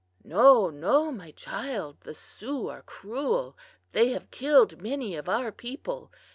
"'No, no, my child; the Sioux are cruel. They have killed many of our people.